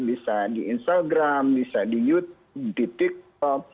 bisa di instagram bisa di youtube